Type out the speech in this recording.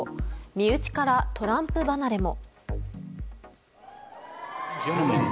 身内からトランプ離れも。